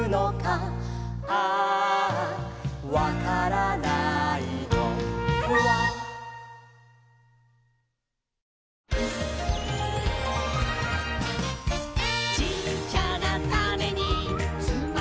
「アアわからないのフワ」「ちっちゃなタネにつまってるんだ」